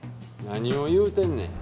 何を言うてんねん。